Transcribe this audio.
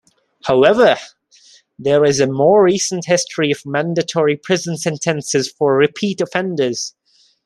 However, there is a more recent history of mandatory prison sentences for repeat offenders.